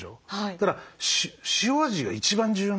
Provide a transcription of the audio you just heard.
だから塩味が一番重要なんですね。